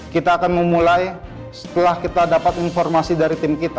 kita akan memulai setelah kita dapat informasi dari tim kita